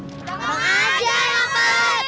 jangan aja ya mbak